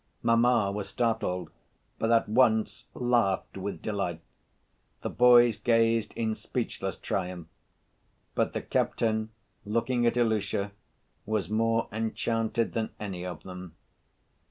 Mamma was startled, but at once laughed with delight. The boys gazed in speechless triumph. But the captain, looking at Ilusha, was more enchanted than any of them.